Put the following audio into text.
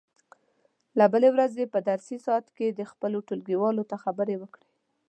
د بلې ورځې په درسي ساعت کې دې خپلو ټولګیوالو ته خبرې وکړي.